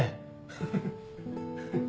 フフフフッ。